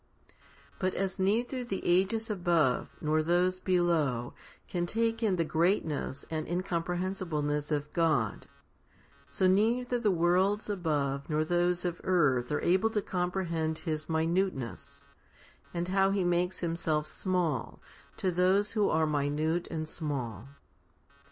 7. But as neither the ages above nor those below can take in the greatness and incomprehensibleness of God, so neither the worlds above nor those on earth are able to comprehend His minuteness, and how He makes Himself small to those who are minute and small.